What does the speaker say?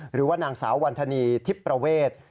หรือว่านางสาววันธนีทิพย์ประเวท